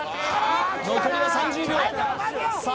残りは３０秒さあ